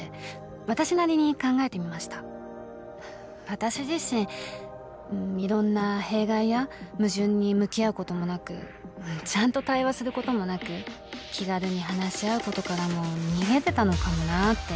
私自身いろんな弊害や矛盾に向き合うこともなくちゃんと対話することもなく気軽に話し合うことからも逃げてたのかもなって。